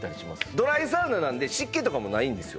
ドライサウナなんで湿気とかもないんですよ